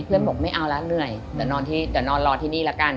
บอกไม่เอาละเหนื่อยเดี๋ยวนอนรอที่นี่ละกัน